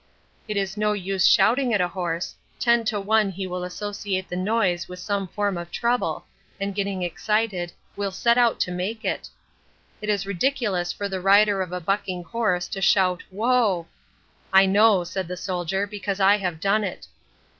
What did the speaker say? It is no use shouting at a horse: ten to one he will associate the noise with some form of trouble, and getting excited, will set out to make it. It is ridiculous for the rider of a bucking horse to shout 'Whoa!' 'I know,' said the Soldier, 'because I have done it.'